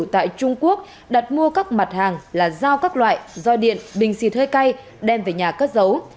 tại trung quốc đặt mua các mặt hàng là dao các loại doi điện bình xịt hơi cay đem về nhà cất giấu